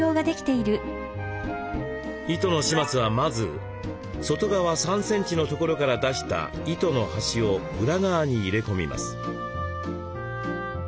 糸の始末はまず外側３センチのところから出した糸の端を裏側に入れ込みます。